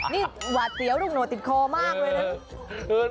นี่หวาดเสียวลูกโหดติดคอมากเลยนะ